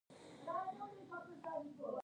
تدارکات اصول لري